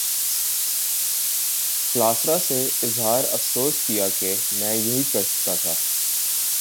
کلاسرا سے اظہار افسوس کیا کہ میں یہی کر سکتا تھا۔